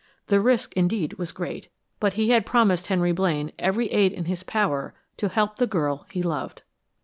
The risk indeed was great, but he had promised Henry Blaine every aid in his power to help the girl he loved.